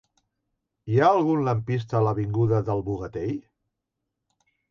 Hi ha algun lampista a l'avinguda del Bogatell?